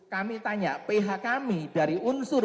kami tanya pihak kami dari unsur